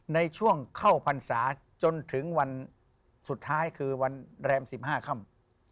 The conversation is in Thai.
ในช่วงเข้าพรรษาจนถึงวันสุดท้ายคือวันแรม๑๕ค่ำ